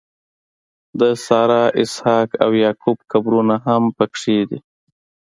د سارا، اسحاق او یعقوب قبرونه هم په کې دي.